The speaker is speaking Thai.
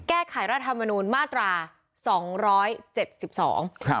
แก้ไขรัฐธรรมนูลมาตราสองร้อยเจ็ดสิบสองครับ